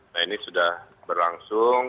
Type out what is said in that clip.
nah ini sudah berlangsung